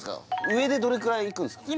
上でどれぐらいいくんすか？